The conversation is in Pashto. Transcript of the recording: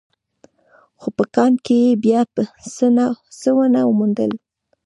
خو په کان کې يې بيا څه ونه موندل.